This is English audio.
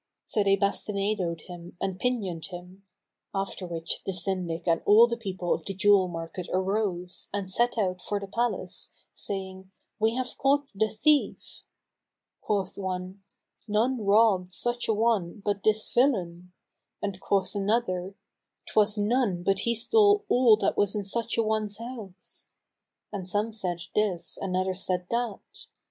So they bastinadoed him and pinioned him; after which the Syndic and all the people of the jewel market arose and set out for the palace, saying, "We have caught the thief." Quoth one, "None robbed such an one but this villain," and quoth another, "'Twas none but he stole all that was in such an one's house;" and some said this and others said that.